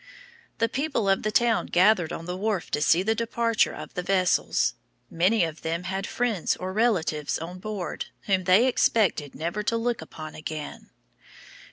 The people of the town gathered on the wharf to see the departure of the vessels. Many of them had friends or relatives on board whom they expected never to look upon again.